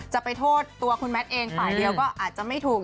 จะไปโทษตัวคุณแมทเองฝ่ายเดียวก็อาจจะไม่ถูก